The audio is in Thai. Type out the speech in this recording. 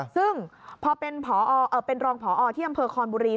ซึ่งพอเป็นรองพอที่อำเภอคอนบุรี